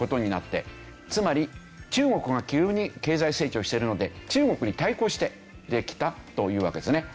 つまり中国が急に経済成長してるので中国に対抗してできたというわけですよね。